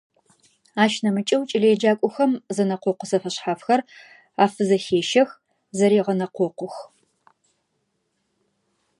Ащ нэмыкӀэу кӀэлэеджакӀохэм зэнэкъокъу зэфэшъхьафхэр афызэхещэх, зэрегъэнэкъокъух.